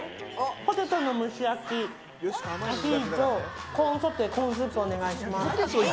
ポテトの蒸し焼き、アヒージョ、コーンソテー、コーンスープお願いします。